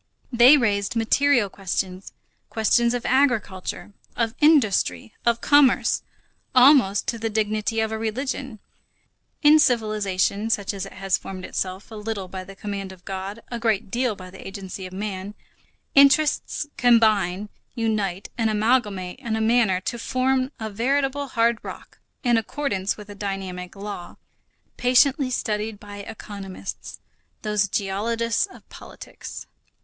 They raised material questions, questions of agriculture, of industry, of commerce, almost to the dignity of a religion. In civilization, such as it has formed itself, a little by the command of God, a great deal by the agency of man, interests combine, unite, and amalgamate in a manner to form a veritable hard rock, in accordance with a dynamic law, patiently studied by economists, those geologists of politics.